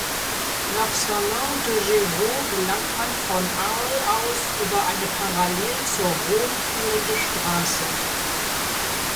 Nach Salin-de-Giraud gelangt man von Arles aus über eine parallel zur Rhône führende Straße.